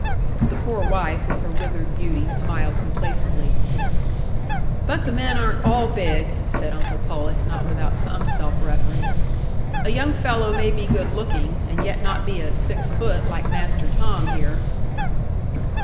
The poor wife, with her withered beauty, smiled complacently. "But the men aren't all big," said uncle Pullet, not without some self reference; "a young fellow may be good looking and yet not be a six foot, like Master Tom here.